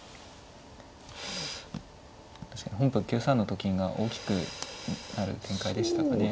確かに本譜は９三のと金が大きくなる展開でしたかね。